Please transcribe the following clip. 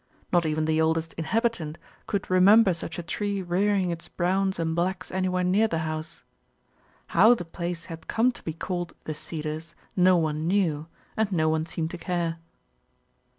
Not even the oldest inhabitant could remember such a tree rear ing its browns and blacks anywhere near the house. How the place had come to be called "The Cedars," no one knew, and no one seemed to care.